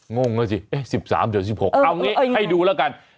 งงแล้วสิเอ๊ะ๑๓เดี๋ยว๑๖เอาอย่างนี้ให้ดูแล้วกัน